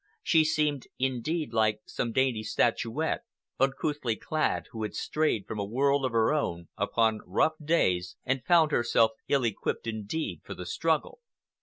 She seemed, indeed, like some dainty statuette, uncouthly clad, who had strayed from a world of her own upon rough days and found herself ill equipped indeed for the struggle.